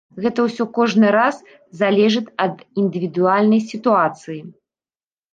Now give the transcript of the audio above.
Гэта ўсё кожны раз залежыць ад індывідуальнай сітуацыі.